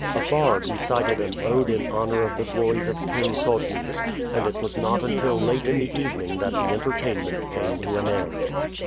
A bard recited an ode in honor of the glories of King Thotmes, and it was not until late in the evening that the entertainment came to an end.